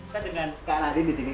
kita dengan kak nadine disini